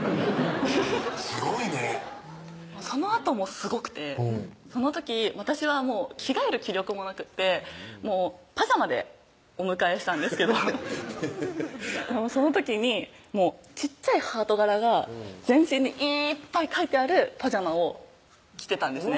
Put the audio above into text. すごいねそのあともすごくてその時私はもう着替える気力もなくてパジャマでお迎えしたんですけどフフフッその時に小っちゃいハート柄が全身にいーっぱい描いてあるパジャマを着てたんですね